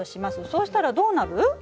そうしたらどうなる？